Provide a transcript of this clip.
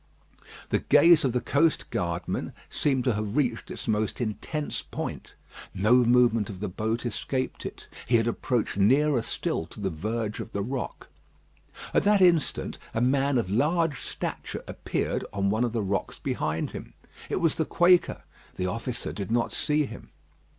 The gaze of the coast guardman seemed to have reached its most intense point. No movement of the boat escaped it. He had approached nearer still to the verge of the rock. At that instant a man of large stature appeared on one of the rocks behind him. It was the Quaker. The officer did not see him.